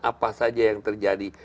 apa saja yang terjadi